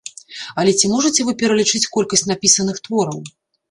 Але ці можаце вы пералічыць колькасць напісаных твораў?